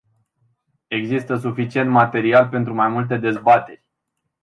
Există suficient material pentru mai multe dezbateri.